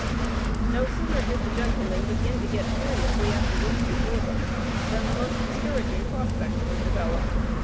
No sooner did the gentlemen begin to get seriously at the work before them than the most discouraging prospects were developed.